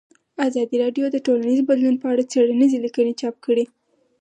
ازادي راډیو د ټولنیز بدلون په اړه څېړنیزې لیکنې چاپ کړي.